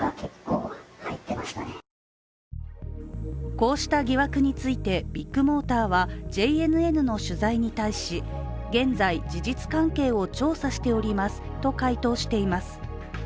こうした疑惑についてビッグモーターはＪＮＮの取材に対し、現在、事実関係を調査しておりますと回答しています。